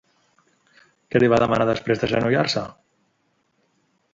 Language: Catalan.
Què li va demanar després d'agenollar-se?